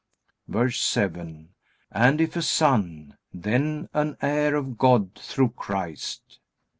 VERSE 7. And if a son, then an heir of God through Christ.